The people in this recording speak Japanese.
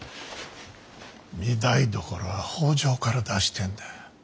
御台所は北条から出してえんだよ。